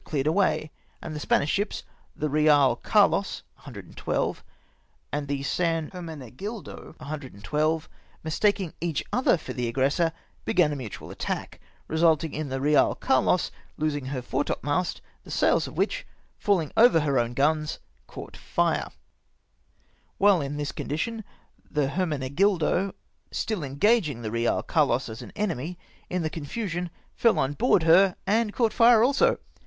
cleared away, and the Spanish ships, the Beal Carlos, 112, and the San Hermejiegildo, 112, mistaldng each other for the aggressor, began a mutnal attack, result ing in the Beal Carlos losing her foretop mast, the sails of which — fishing over her own guns — caught fire. While in this condition the Hermenegildo — still eno ao'ini]!; the Real Carlos as an enemy — in the con fusion fell on board her and caught fire also.